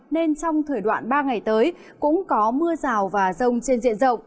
nên trong thời đoạn ba ngày tới cũng có mưa rào và rông trên diện rộng